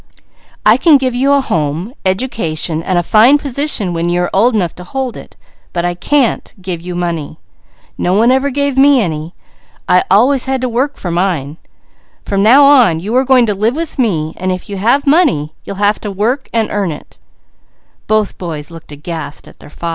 I can give you a home, education, and a fine position when you are old enough to hold it; but I _can't give you money. No one ever gave me any. I always had to work for mine. From now on you are going to live with me, so if you have money you'll have to go to work and earn it_." Both boys looked aghast at him.